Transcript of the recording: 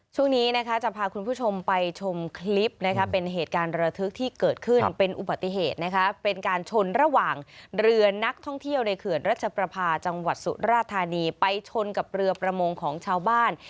ช่วงนี้นะคะจะพาคุณผู้ชมไปชมคลิปนะคะเป็นเหตุการณ์ระทึกที่เกิดขึ้นเป็นอุบัติเหตุนะคะเป็นการชนระหว่างเรือนักท่องเที่ยวในเขื่อนรัชประพาจังหวัดสุราธานีไปชนกับเรือประมงของชาวบ้าน